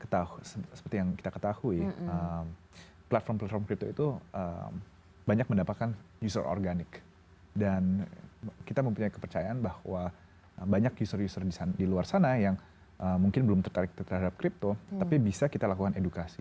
kita tahu seperti yang kita ketahui platform platform crypto itu banyak mendapatkan user organik dan kita mempunyai kepercayaan bahwa banyak user user di luar sana yang mungkin belum tertarik terhadap crypto tapi bisa kita lakukan edukasi